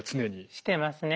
してますね。